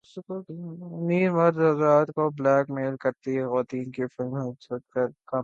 امیر مرد حضرات کو بلیک میل کرتی خواتین کی فلم ہسلرز کامیاب